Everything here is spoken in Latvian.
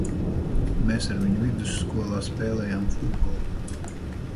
Mēs ar viņu vidusskolā spēlējām futbolu.